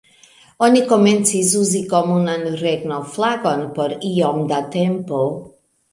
Oni komencis uzi komunan regno-flagon por iom da tempo.